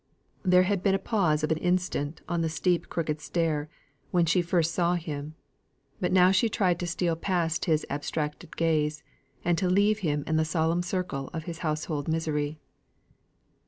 There had been a pause of an instant on the steep crooked stair, when she first saw him; but now she tried to steal past his abstracted gaze, and to leave him in the solemn circle of his household misery.